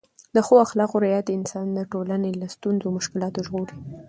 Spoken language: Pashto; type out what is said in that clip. د ښو اخلاقو رعایت انسان د ټولنې له ستونزو او مشکلاتو ژغوري.